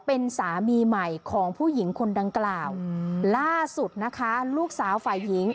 เป็นสามีใหม่ของผู้หญิงคนดังกล่าวล่าสุดนะคะลูกสาวฝ่ายหญิง